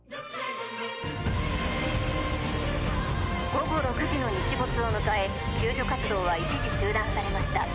午後６時の日没を迎え救助活動は一時中断されました。